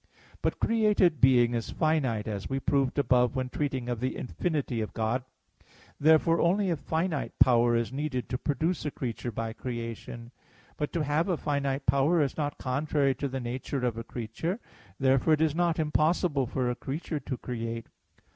But created being is finite, as we proved above when treating of the infinity of God (Q. 7, AA. 2, 3, 4). Therefore only a finite power is needed to produce a creature by creation. But to have a finite power is not contrary to the nature of a creature. Therefore it is not impossible for a creature to create.